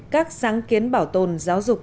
các sáng kiến bảo tồn giáo dục